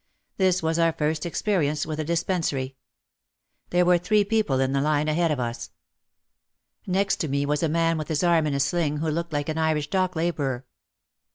This was our first experience with a Dispensary. There were three people in the line ahead of us. Next 184 OUT OF THE SHADOW to me was a man with his arm in a sling who looked like an Irish dock laborer.